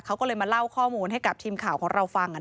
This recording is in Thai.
เขาก็เลยมาเล่าข้อมูลให้กับทีมข่าวของเราฟัง